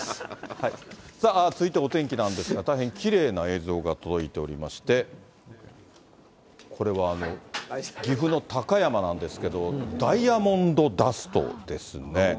続いてお天気なんですが、きれいな映像が届いておりまして、これは岐阜の高山なんですけれども、ダイヤモンドダストですね。